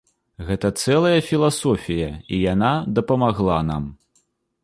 Гэта цэлая філасофія, і яна дапамагла нам.